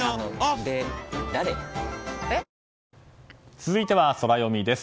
続いてはソラよみです。